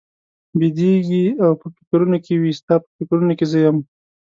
بېدېږي او په فکرونو کې وي، ستا په فکرونو کې زه یم؟